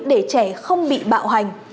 để trẻ không bị bạo hành